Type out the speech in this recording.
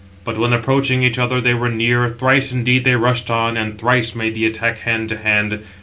But when approaching each other, they were near, thrice indeed they rushed on, and thrice made the attack hand to hand.